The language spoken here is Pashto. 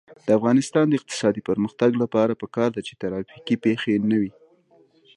د افغانستان د اقتصادي پرمختګ لپاره پکار ده چې ترافیکي پیښې نه وي.